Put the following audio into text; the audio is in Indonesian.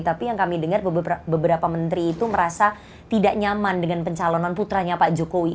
tapi yang kami dengar beberapa menteri itu merasa tidak nyaman dengan pencalonan putranya pak jokowi